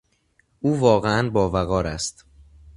او واقعا با وقار است.